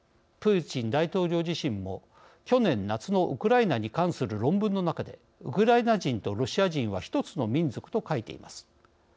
プーチン大統領自身も去年夏のウクライナに関する論文の中でウクライナ人とロシア人は１つの民族と書いています。